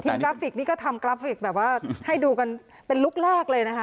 กราฟิกนี่ก็ทำกราฟิกแบบว่าให้ดูกันเป็นลุคแรกเลยนะคะ